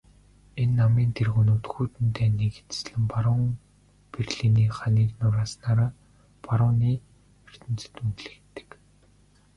Энэ намын тэргүүнүүд хүйтэн дайныг эцэслэн баруун Берлиний ханыг нурааснаараа барууны ертөнцөд үнэлэгддэг.